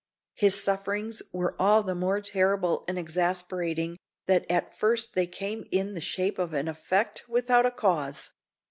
His sufferings were all the more terrible and exasperating, that at first they came in the shape of an effect without a cause.